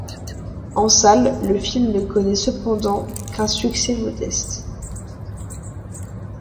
En salles, le film ne connaîit cependant qu'un succès modeste.